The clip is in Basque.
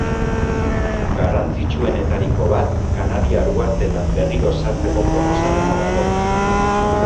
Garrantzitsuenetariko bat Kanariar uhartetan berriro sartzeko proposamena dago.